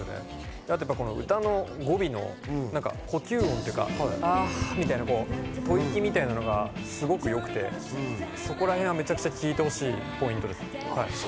あと歌の語尾の呼吸音「ああ」みたいな、吐息みたいなのがすごく良くて、そこらへんはめちゃくちゃ聴いてほしいポイントです。